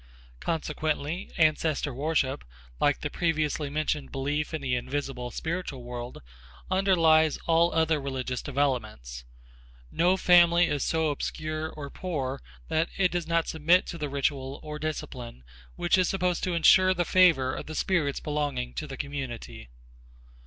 Consequently, ancestor worship, like the previously mentioned belief in the invisible spiritual world, underlies all other religious developments. No family is so obscure or poor that it does not submit to the ritual or discipline which is supposed to ensure the favor of the spirits belonging to the community.